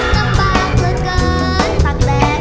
มันเติบเติบเติบ